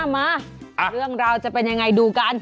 มาเรื่องราวจะเป็นยังไงดูกัน